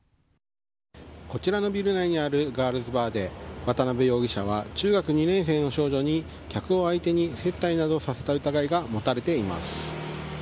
こちらのビル内にあるガールズバーで渡辺容疑者は中学２年生の少女に客を相手に接待などをさせた疑いが持たれています。